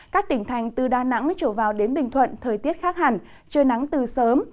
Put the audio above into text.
các tỉnh thành từ đà nẵng trở vào đến bình thuận thời tiết khác hẳn trời nắng từ sớm